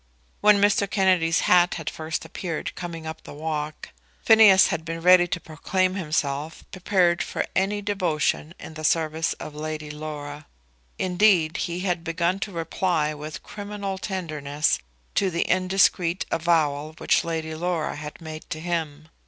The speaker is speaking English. When Mr. Kennedy's hat had first appeared coming up the walk, Phineas had been ready to proclaim himself prepared for any devotion in the service of Lady Laura. Indeed, he had begun to reply with criminal tenderness to the indiscreet avowal which Lady Laura had made to him.